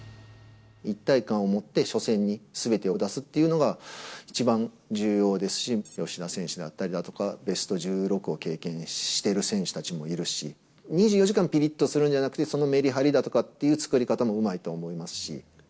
一体感を持って、初戦にすべてを出すっていうのが、一番重要ですし、吉田選手だったりだとか、ベスト１６を経験してる選手たちもいるし、２４時間ぴりっとするんじゃなくて、そのメリハリだとかっていう作り方もうまいと思いますし。